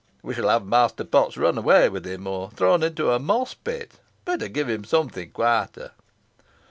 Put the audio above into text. We shall have Master Potts run away with, or thrown into a moss pit. Better give him something quieter."